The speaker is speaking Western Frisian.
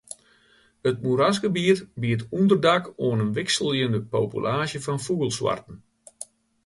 It moerasgebiet biedt ûnderdak oan in wikseljende populaasje fan fûgelsoarten.